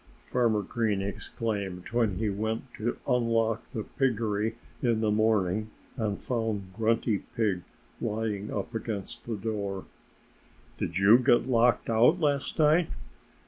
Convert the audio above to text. Farmer Green exclaimed, when he went to unlock the piggery in the morning and found Grunty Pig lying up against the door. "Did you get locked out last night?